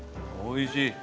おいしい。